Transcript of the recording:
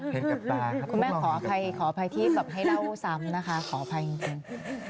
เห็นกับตาคุณแม่ขออภัยที่แบบให้เล่าซ้ำนะคะขออภัยจริง